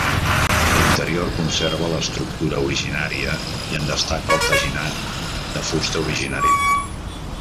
L'interior conserva l'estructura originària i en destaca el teginat de fusta originari.